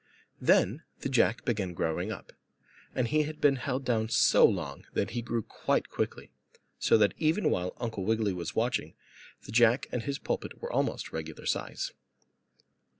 Then the Jack began growing up, and he had been held down so long that he grew quite quickly, so that even while Uncle Wiggily was watching, the Jack and his pulpit were almost regular size.